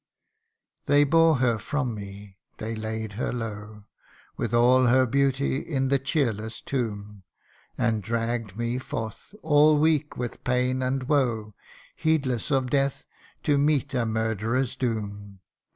They bore her from me, and they laid her low, With all her beauty, in the cheerless tomb ; And dragg'd me forth, all weak with pain and woe, Heedless of death, to meet a murderer's doom.